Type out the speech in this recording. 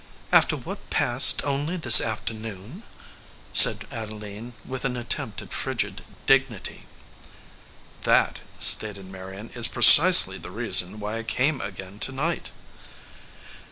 "After what passed only this afternoon," said Adeline, with an attempt at frigid dignity. "That," stated Marion, "is precisely the reason why I came again to night."